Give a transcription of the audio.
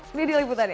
ini di liputan ya